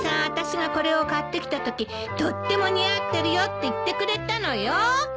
私がこれを買ってきたときとっても似合ってるよって言ってくれたのよ。